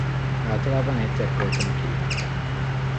Általában egyszer költenek évente.